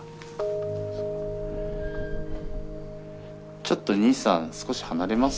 ちょっと少し離れます？